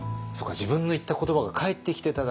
自分の言った言葉が返ってきてただけなのに。